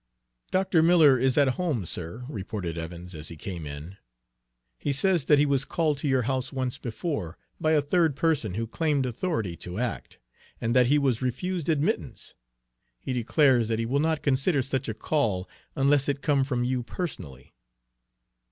"Dr. Miller is at home, sir," reported Evans, as he came in. "He says that he was called to your house once before, by a third person who claimed authority to act, and that he was refused admittance. He declares that he will not consider such a call unless it come from you personally."